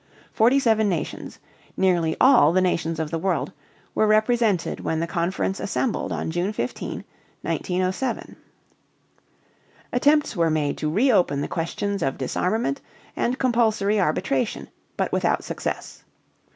Forty seven nations nearly all the nations of the world were represented when the conference assembled on June 15, 1907. Attempts were made to reopen the questions of disarmament and compulsory arbitration, but without success.